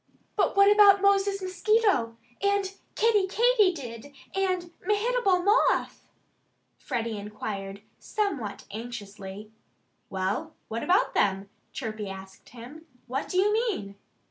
"But what about Moses Mosquito and Kiddie Katydid and Mehitable Moth?" Freddie inquired somewhat anxiously. "Well, what about them?" Chirpy asked him. "What do you mean?"